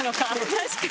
確かに。